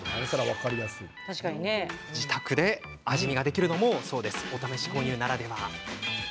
自宅で味見できるのもお試し購入ならでは。